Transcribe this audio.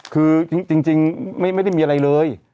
คือจริงไม่ได้มีอะไรเลย